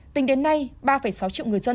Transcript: tính đến nay ba sáu triệu người dân